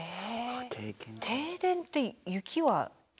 停電って雪は？